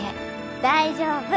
大丈夫。